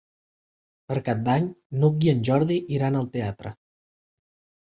Per Cap d'Any n'Hug i en Jordi iran al teatre.